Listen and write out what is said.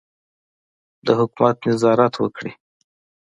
د حکومت نظارت وکړي.